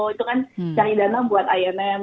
itu kan cari dana buat a m